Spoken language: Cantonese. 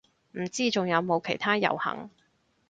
唔知仲有冇其他遊行